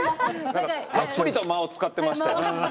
たっぷりと間を使ってましたよ。